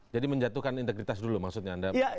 jadi menjatuhkan integritas dulu maksudnya anda